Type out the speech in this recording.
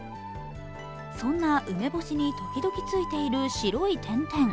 そんな梅干しに時々ついている白い点々。